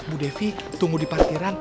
bu devi tunggu di parkiran